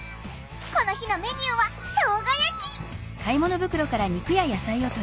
この日のメニューはしょうが焼き。